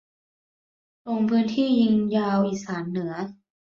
ลงพื้นที่ยิงยาวอีสานเหนือ